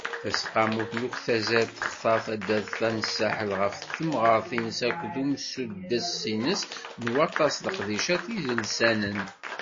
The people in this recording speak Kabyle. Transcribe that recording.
Taseqqamut n uktazal textar taddart-a n Saḥel ɣef temɣer-ines akked usuddes-ines n waṭas n leqdicat idelsanen.